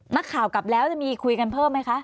นักข่าวกลับแล้วจะมีคุยกันเพิ่มไหมคะ